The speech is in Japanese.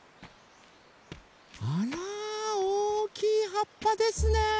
あらおおきいはっぱですね